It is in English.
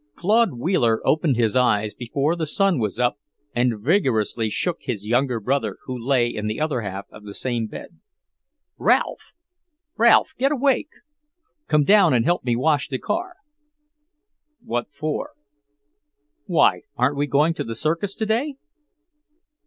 Claude Wheeler opened his eyes before the sun was up and vigorously shook his younger brother, who lay in the other half of the same bed. "Ralph, Ralph, get awake! Come down and help me wash the car." "What for?" "Why, aren't we going to the circus today?"